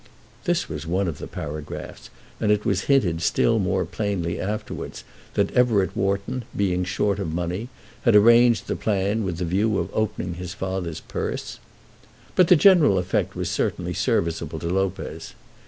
This was one of the paragraphs, and it was hinted still more plainly afterwards that Everett Wharton, being short of money, had arranged the plan with the view of opening his father's purse. But the general effect was certainly serviceable to Lopez.